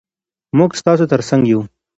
موږ ستاسو تر څنګ یو.